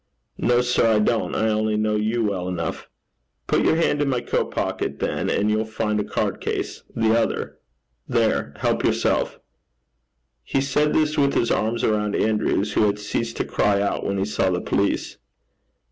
'No, sir, I don't. I only know you well enough.' 'Put your hand in my coat pocket, then, and you'll find a card case. The other. There! Help yourself.' He said this with his arms round Andrew's, who had ceased to cry out when he saw the police.